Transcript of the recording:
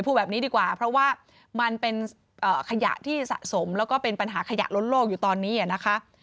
พูดแบบนี้ดีกว่าเพราะว่ามันเป็นขยะที่สะสมแล้วก็เป็นปัญหาขยะล้นโลกอยู่ตอนนี้นะคะ